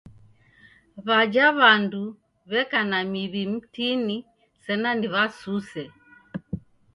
W'aja w'andu w'eka na miw'i mtini sena ni w'asuse.